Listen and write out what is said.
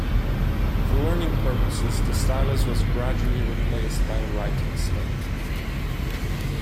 For learning purposes the stylus was gradually replaced by a writing slate.